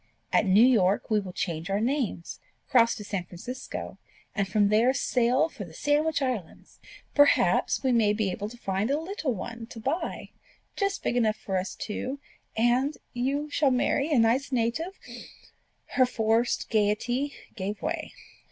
At New York we will change our names, cross to San Francisco, and from there sail for the Sandwich Islands. Perhaps we may be able to find a little one to buy, just big enough for us two; and you shall marry a nice native " Her forced gaiety gave way.